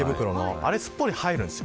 あれがすっぽり入るんです。